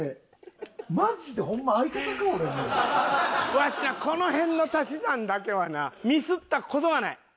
わしなこの辺の足し算だけはなミスった事はない。